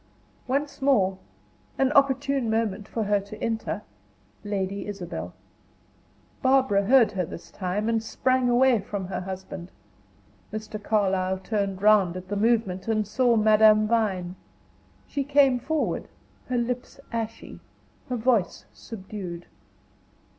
Once more an opportune moment for her to enter Lady Isabel. Barbara heard her this time, and sprang away from her husband. Mr. Carlyle turned round at the movement, and saw Madame Vine. She came forward, her lips ashy, her voice subdued.